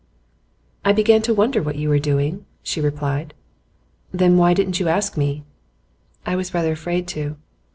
'I began to wonder what you were doing,' she replied. 'Then why didn't you ask me?' 'I was rather afraid to.